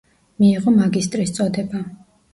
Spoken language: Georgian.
მიიღო მაგისტრის წოდება.